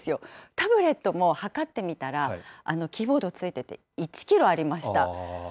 タブレットも量ってみたら、キーボード付いてて１キロありました。